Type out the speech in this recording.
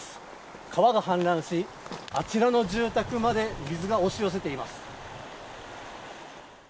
川が氾濫し、あちらの住宅まで水が押し寄せています。